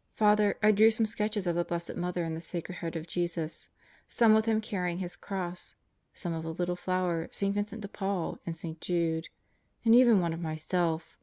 ...... Father, I drew some sketches of the Blessed Mother and the Sacred Heart of Jesus, some with Him carrying His Cross; some of the Little Flower, St. Vincent de Paul, and St. Jude and even one of myself.